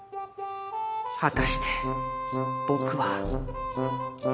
果たして僕は。